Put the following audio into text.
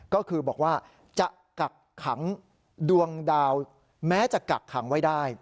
ก็คือบอกว่าจะกักขังดวงดาวแม้จะกักขังไว้ได้